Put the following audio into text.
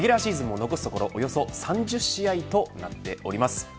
レギュラーシーズンも残すところおよそ３０試合となっております。